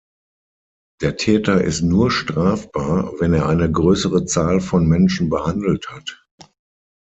Der Täter ist nur strafbar, wenn er eine größere Zahl von Menschen behandelt hat.